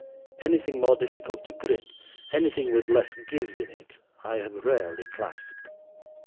Anything more difficult to grip—anything with less "give" in it—I have rarely clasped.